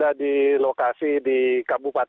yang terperah adalah tiga orang